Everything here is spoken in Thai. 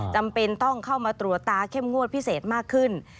จำเป็นต้องเข้ามาตรวจตาเข้มงวดพิเศษมากขึ้น